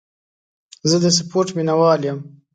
زه د سپورټ مینهوال یم.